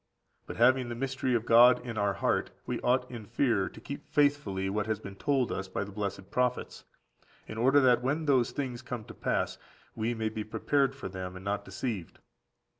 But having the mystery of God in our heart, we ought in fear to keep faithfully what has been told us by the blessed prophets, in order that when those things come to pass, we may be prepared for them, and not deceived.